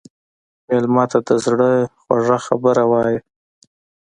مېلمه ته د زړه خوږه خبره وایه.